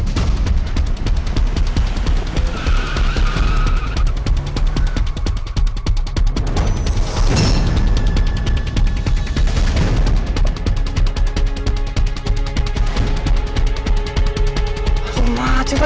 gak akan ada lagi putri